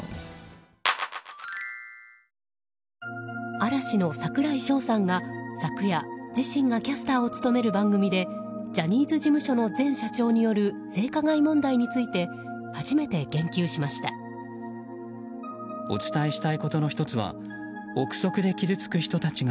嵐の櫻井翔さんが、昨夜自身がキャスターを務める番組でジャニーズ事務所の前社長による性加害問題について初めて言及しました。